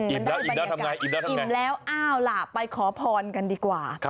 อิ่มแล้วทำไงอิ่มแล้วอิ่มแล้วอ้าวล่ะไปขอพรกันดีกว่า